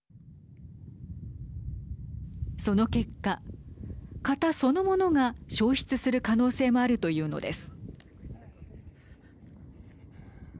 その結果、潟そのものが消失する可能性もあると言うのです。